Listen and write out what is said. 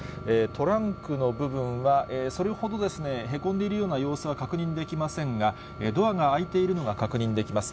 トランクの部分は、それほどですね、へこんでいるような様子は確認できませんが、ドアが開いているのが確認できます。